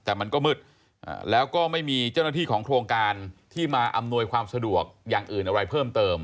แต่มันก็มืดแล้วก็ไม่มีเจ้าหน้าที่ของโครงการที่มาอำนวยความสะดวกอย่างอื่นอะไรเพิ่มเติม